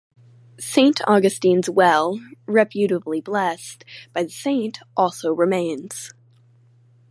Saint Augustine's Well, reputedly blessed by the saint, also remains.